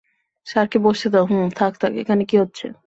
স্যারকে বসতে দাও হুম, থাক, থাক, এখানে কী হচ্ছে?